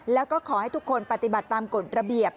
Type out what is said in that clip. แล้วก็ขอให้ทุกคนปฏิบัติตามกฎระเบียบ